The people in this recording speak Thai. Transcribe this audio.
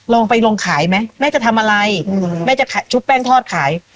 ลองไปลองขายไหมแม่จะทำอะไรแม่จะขายชุบแป้งทอดขาย